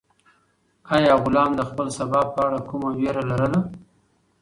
آیا غلام د خپل سبا په اړه کومه وېره لرله؟